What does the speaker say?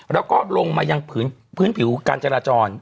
แล้วก็ลงมายังพื้นผิวการจราจร